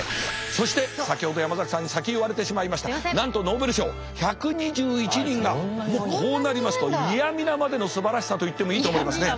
そして先ほど山崎さんに先言われてしまいましたなんとノーベル賞１２１人がもうこうなりますと嫌みなまでのすばらしさと言ってもいいと思いますね。